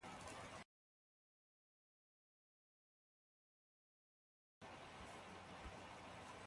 Ní tuuŋɛ̄ másîn îkwotí mʉ́ʉ́.